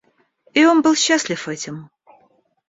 И он был счастлив этим.